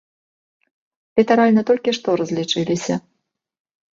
Літаральна толькі што разлічыліся.